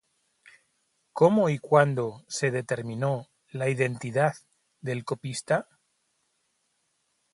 ¿Cómo y cuándo se determinó la identidad del copista?